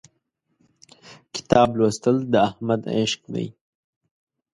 کتاب لوستل د احمد عشق دی.